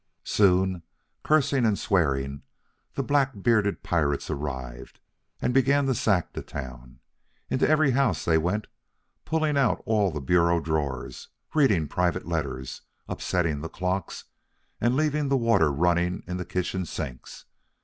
Soon, cursing and swearing, the black bearded pirates arrived, and began to sack the town. Into every house they went, pulling out all the bureau drawers, reading private letters, upsetting the clocks, and leaving the water running in the kitchen sinks.